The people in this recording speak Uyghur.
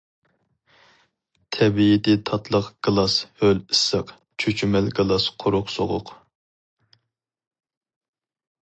تەبىئىتى تاتلىق گىلاس ھۆل ئىسسىق، چۈچۈمەل گىلاس قۇرۇق سوغۇق.